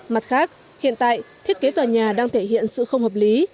mặt khác hiện tại thiết kế tòa nhà đang thể hiện sự không hợp lý